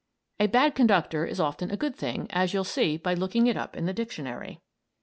A "bad" conductor is often a good thing, as you'll see by looking it up in the dictionary.